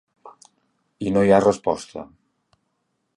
I no hi ha resposta.